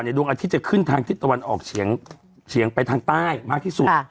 ดวงอาทิตย์จะขึ้นทางทิศตะวันออกเฉียงไปทางใต้มากที่สุด